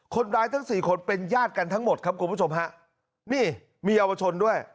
ทั้งสี่คนเป็นญาติกันทั้งหมดครับคุณผู้ชมฮะนี่มีเยาวชนด้วย